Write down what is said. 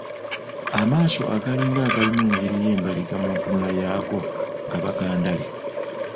Amaaso agalinga agalimu engeri y’embaliga mu ntunula yaago gaba ga ndali.